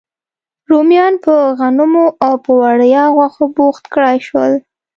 رومیان په غنمو او په وړیا غوښو بوخت کړای شول.